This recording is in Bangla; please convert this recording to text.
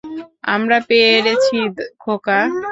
আমরা পেরেছি, খোকা।